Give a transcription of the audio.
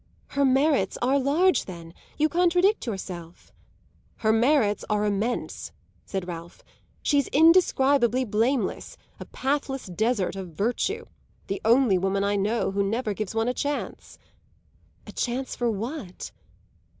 "Her merits are large then. You contradict yourself." "Her merits are immense," said Ralph. "She's indescribably blameless; a pathless desert of virtue; the only woman I know who never gives one a chance." "A chance for what?"